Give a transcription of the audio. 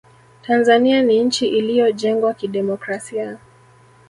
tanzania ni nchi iliyojengwa kidemokrasia